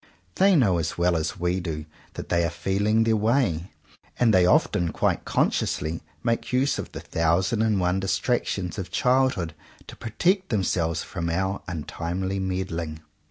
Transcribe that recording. They know as well as we do that they are feeling their way; and they often quite consciously make use of the thousand and one distractions of childhood to protect themselves from our untimely meddling.